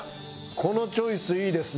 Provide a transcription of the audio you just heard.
このチョイスいいですね。